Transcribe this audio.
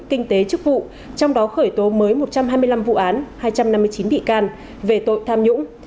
kinh tế chức vụ trong đó khởi tố mới một trăm hai mươi năm vụ án hai trăm năm mươi chín bị can về tội tham nhũng